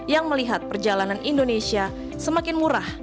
yang melihat perjalanan indonesia semakin murah